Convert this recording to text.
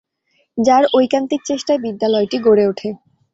যার ঐকান্তিক চেষ্টায় বিদ্যালয়টি গড়ে ওঠে।